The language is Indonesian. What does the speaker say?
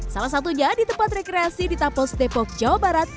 salah satunya di tempat rekreasi di tapos depok jawa barat